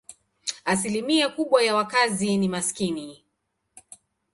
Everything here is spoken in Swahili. Asilimia kubwa ya wakazi ni maskini.